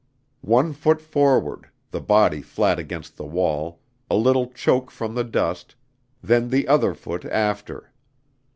One foot forward, the body flat against the wall, a little choke from the dust, then the other foot after.